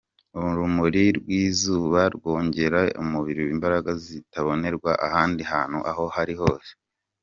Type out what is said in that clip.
Urumuri rw’izuba rwongerera umubiri imbaraga zitabonerwa ahandi hantu aho ariho hose.